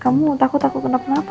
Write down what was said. kamu takut takut kenapa kenapa